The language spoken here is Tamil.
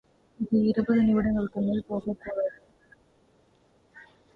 இது இருபது நிமிடங்களுக்கு மேல் போகக்கூடாது.